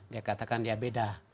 dia katakan ya beda